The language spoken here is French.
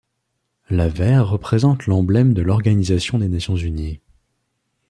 L'avers représente l'emblème de l'Organisation des Nations unies.